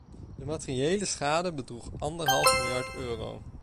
De materiële schade bedroeg anderhalf miljard euro.